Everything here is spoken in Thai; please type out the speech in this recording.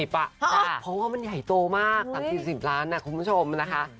เพราะว่ามันใหญ่โตมาก๓๐๑๐ล้านคุณผู้ชมนะคะ